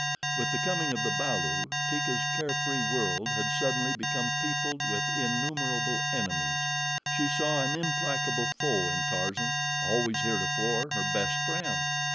With the coming of the balu, Teeka's care free world had suddenly become peopled with innumerable enemies. She saw an implacable foe in Tarzan, always heretofore her best friend.